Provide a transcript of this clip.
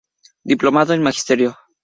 Diplomado en Magisterio.